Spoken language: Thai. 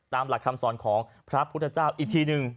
หลักคำสอนของพระพุทธเจ้าอีกทีหนึ่ง